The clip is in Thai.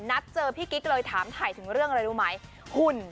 นัดเจอพี่กิ๊กเลยถามถ่ายถึงเรื่องอะไรรู้ไหมหุ่น